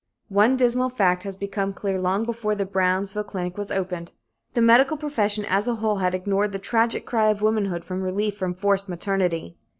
One dismal fact had become clear long before the Brownsville clinic was opened. The medical profession as a whole had ignored the tragic cry of womanhood for relief from forced maternity.